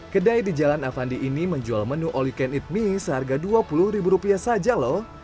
kedai di jalan avandi ini menjual menu oli can eat mie seharga dua puluh ribu rupiah saja loh